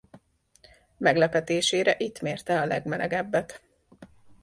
Meglepetésére itt mérte a legmelegebbet.